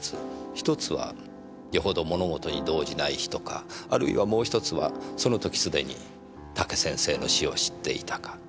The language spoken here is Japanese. １つは余程物事に動じない人かあるいはもう１つはその時すでに武先生の死を知っていたか。